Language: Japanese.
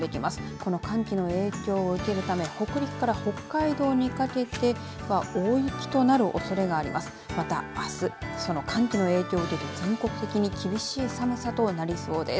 この寒気の影響を受けるため北陸から北海道にかけて大雪となるおそれがあります。